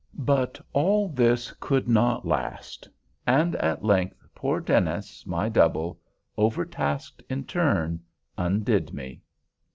But all this could not last—and at length poor Dennis, my double, overtasked in turn, undid me.